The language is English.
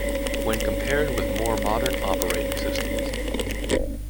When compared with more modern operating systems.